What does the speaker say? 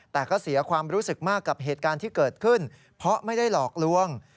แต่ก็เสียความรู้สึกมากกับเหตุการณ์ที่เกิดขึ้นเพราะไม่ได้หลอกลวง